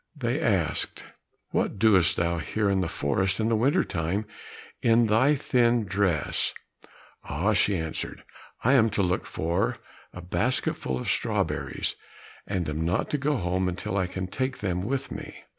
They asked, "What dost thou here in the forest in the winter time, in thy thin dress?" "Ah," she answered, "I am to look for a basketful of strawberries, and am not to go home until I can take them with me."